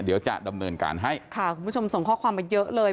เดี๋ยวจะดำเนินการให้ค่ะคุณผู้ชมส่งข้อความมาเยอะเลย